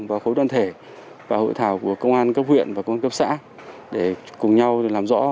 và khối đoàn thể và hội thảo của công an cấp huyện và công an cấp xã để cùng nhau làm rõ